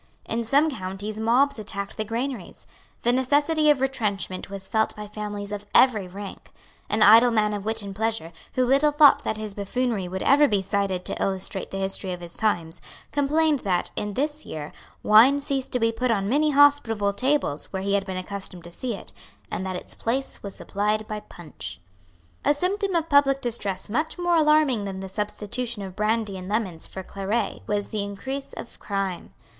In some counties mobs attacked the granaries. The necessity of retrenchment was felt by families of every rank. An idle man of wit and pleasure, who little thought that his buffoonery would ever be cited to illustrate the history of his times, complained that, in this year, wine ceased to be put on many hospitable tables where he had been accustomed to see it, and that its place was supplied by punch. A symptom of public distress much more alarming than the substitution of brandy and lemons for claret was the increase of crime.